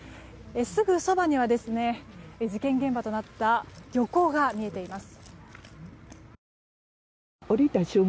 すぐそばには、事件現場となった漁港が見えています。